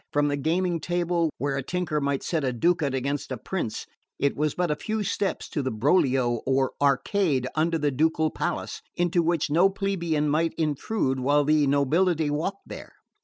From the gaming table where a tinker might set a ducat against a prince it was but a few steps to the Broglio, or arcade under the ducal palace, into which no plebeian might intrude while the nobility walked there.